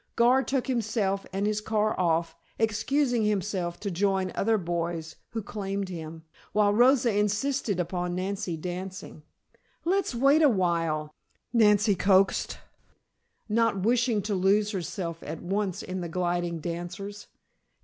Gar took himself and his car off, excusing himself to join other boys who claimed him, while Rosa insisted upon Nancy dancing. "Let's wait a while," Nancy coaxed, not wishing to lose herself at once in the gliding dancers.